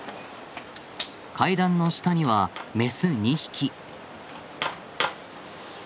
階段の下にはメス２匹。